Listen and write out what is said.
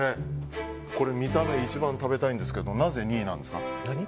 これ、見た目一番食べたいんですけどなぜ２位なんですか？